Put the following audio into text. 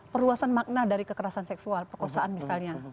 perluasan makna dari kekerasan seksual perkosaan misalnya